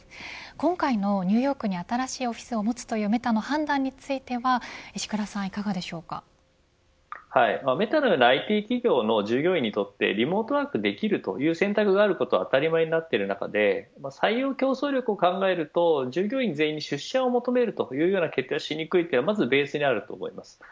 今回のニューヨークに新しいオフィスを持つというメタの判断についてはメタのようなＩＴ企業の従業員にとってリモートワークができるという選択があることは当たり前になっている中で採用競争力を考えると従業員全員に出社を求めるという決定はしにくいというのがベースにあると思います。